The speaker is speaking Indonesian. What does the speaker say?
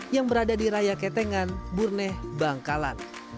yang berada di raya ketengan burneh bangkalan